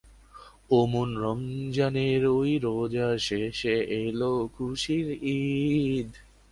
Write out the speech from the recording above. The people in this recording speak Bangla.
ও মন রমজানের ঐ রোজার শেষে এলো খুশির ঈদ।